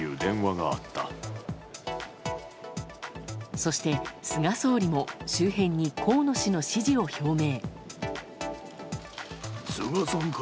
そして、菅総理も周辺に河野氏の支持を表明。